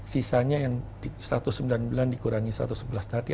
sisanya yang satu ratus sembilan puluh sembilan dikurangi satu ratus sebelas tadi